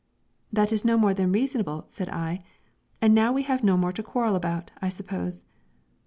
"That is no more than reasonable," said I, "and now we have no more to quarrel about, I suppose."